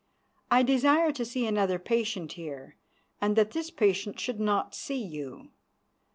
I desire to see another patient here, and that this patient should not see you.